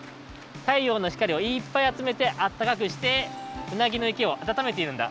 たいようのひかりをいっぱいあつめてあったかくしてうなぎの池をあたためているんだ。